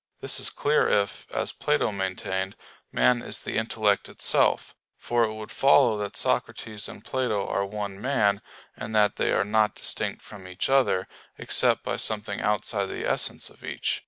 This is clear if, as Plato maintained, man is the intellect itself. For it would follow that Socrates and Plato are one man; and that they are not distinct from each other, except by something outside the essence of each.